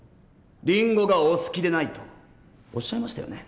リンゴがお好きでないとおっしゃいましたよね？